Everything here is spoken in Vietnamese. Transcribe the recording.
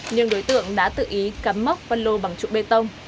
nhưng đối tượng đã tự ý cắm móc phân lô bằng trụ bê tông